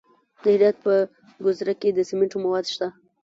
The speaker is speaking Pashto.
د هرات په ګذره کې د سمنټو مواد شته.